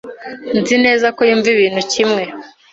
Nzi neza ko yumva ibintu kimwe.